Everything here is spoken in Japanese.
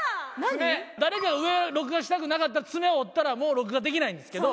誰かが上録画したくなかったらツメを折ったらもう録画できないんですけど。